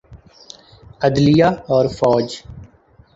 عدلیہ اورفوج۔